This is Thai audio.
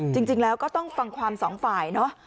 จริงแล้วก็ต้องฟังความสองฝ่ายเนอะ